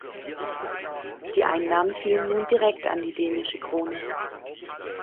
Die Einnahmen fielen nun direkt an die dänische Krone.